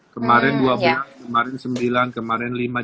kemarin dua bulan kemarin sembilan kemarin lima